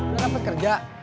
udah dapet kerja